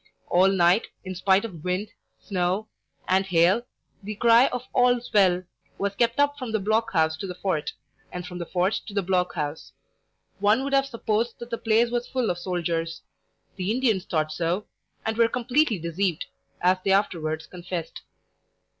All night, in spite of wind, snow, and hail, the cry of "All's well" was kept up from the block house to the fort, and from the fort to the block house. One would have supposed that the place was full of soldiers. The Indians thought so, and were completely deceived, as they afterwards confessed.